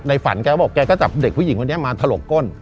ฝันแกก็บอกแกก็จับเด็กผู้หญิงคนนี้มาถลกก้น